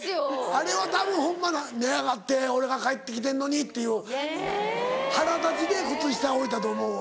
あれはたぶんホンマ寝やがって俺が帰ってきてんのにっていう腹立ちで靴下置いたと思うわ。